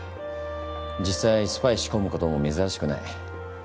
実際スパイ仕込むことも珍しくない。